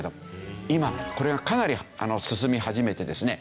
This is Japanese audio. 今これがかなり進み始めてですね